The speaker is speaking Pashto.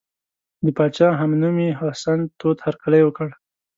د پاچا همنومي حسن تود هرکلی وکړ.